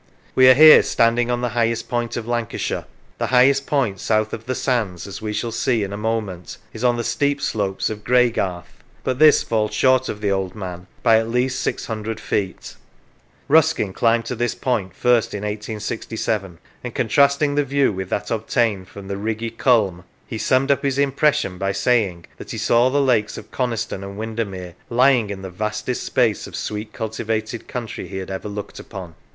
We are here standing on the highest point of Lancashire : the highest point south of the sands, as we shall see in a moment, is on the steep slopes of Greygarth, but this falls short of the Old Man by at least 600 feet. Ruskin climbed to this point first in 1867, and contrasting the view with that obtained from the Rigi Kulm, he summed up his impression by saying that he saw the lakes of Coniston and Windermere lying in the vastest space of sweet cultivated country he had ever looked upon.